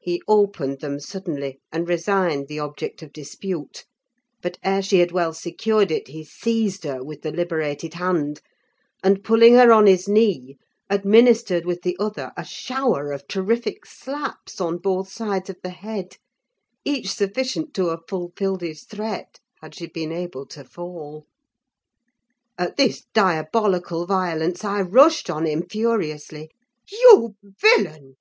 He opened them suddenly, and resigned the object of dispute; but, ere she had well secured it, he seized her with the liberated hand, and, pulling her on his knee, administered with the other a shower of terrific slaps on both sides of the head, each sufficient to have fulfilled his threat, had she been able to fall. At this diabolical violence I rushed on him furiously. "You villain!"